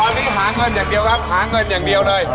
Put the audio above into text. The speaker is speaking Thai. ตอนนี้หาเงินอย่างเดียวครับหาเงินอย่างเดียวเลย